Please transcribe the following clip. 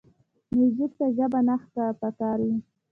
موزیک ته ژبه نه پکار وي.